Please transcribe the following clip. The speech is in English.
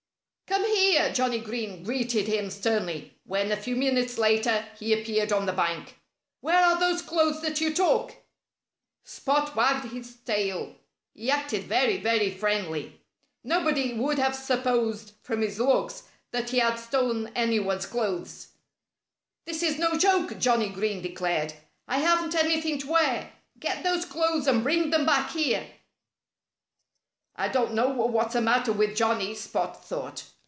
"Come here!" Johnnie Green greeted him sternly when, a few minutes later, he appeared on the bank. "Where are those clothes that you took?" Spot wagged his tail. He acted very, very friendly. Nobody would have supposed, from his looks, that he had stolen anyone's clothes. "This is no joke," Johnnie Green declared. "I haven't anything to wear. Get those clothes and bring them back here!" "I don't know what's the matter with Johnnie," Spot thought.